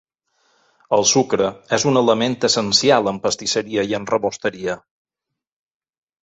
El sucre és un element essencial en pastisseria i en rebosteria.